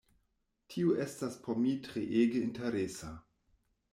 Tio estas por mi treege interesa.